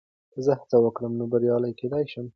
که زه هڅه وکړم، نو بریالی کېدای شم.